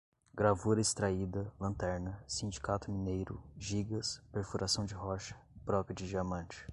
gravura extraída, lanterna, sindicato mineiro, jigas, perfuração de rocha, broca de diamante